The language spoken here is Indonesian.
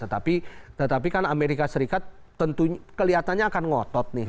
tetapi kan amerika serikat tentu kelihatannya akan ngotot nih